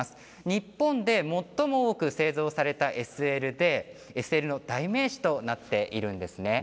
日本で最も多く製造されたＳＬの代名詞となっています。